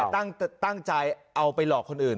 ตั้งใจเอาไปหลอกคนอื่น